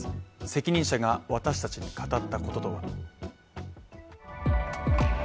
責任者が私達に語ったこととは。